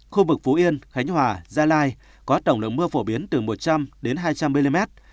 khu vực phú yên khánh hòa gia lai có tổng lượng mưa phổ biến từ một trăm linh đến hai trăm linh mm